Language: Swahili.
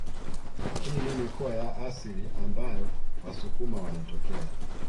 Hii ni mikoa ya asili ambayo wasukuma wanatokea